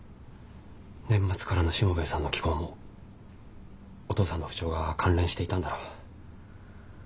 年末からのしもべえさんの奇行もお父さんの不調が関連していたんだろう。